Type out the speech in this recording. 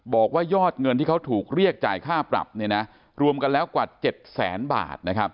บอกว่ายอดเงินที่เขาถูกเรียกจ่ายค่าปรับรวมกันแล้วกว่า๗แสนบาท